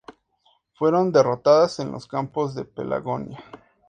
Fueron derrotados en los campos de Pelagonia.